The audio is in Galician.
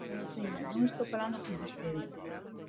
Señora Uceira, non estou falando con vostede.